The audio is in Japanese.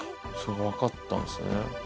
分かったんすね。